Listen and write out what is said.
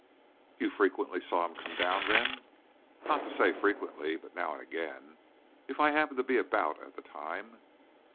"You frequently saw him come down, then?" "Not to say frequently, but now and again. If I happened to be about at the time."